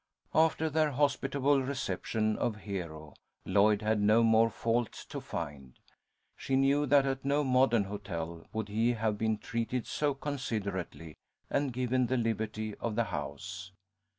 After their hospitable reception of Hero, Lloyd had no more fault to find. She knew that at no modern hotel would he have been treated so considerately and given the liberty of the house.